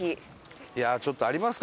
いやあちょっとありますか？